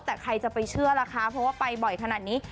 แต่ใครจะไปเชื่อล่ะคะเพราะว่าไปบ่อยขนาดนี้